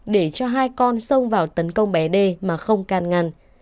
để cho hai con sông vào tấn công bé đê mà không can ngăn